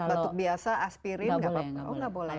kalau obat batuk biasa aspirin nggak boleh